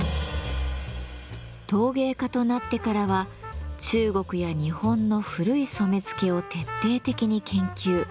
陶芸家となってからは中国や日本の古い染付を徹底的に研究。